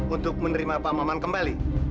untuk menerima pak maman kembali